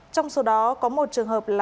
trong số đó có một trường hợp là